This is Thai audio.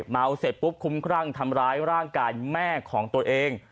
เมาเสร็จปุ๊บคุ้มครั่งทำร้ายร่างกายแม่ของตัวเอง